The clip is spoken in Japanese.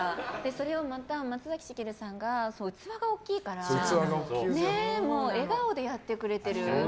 それを松崎しげるさんが器が大きいから笑顔でやってくれてる。